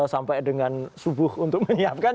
sampai dengan subuh untuk menyiapkan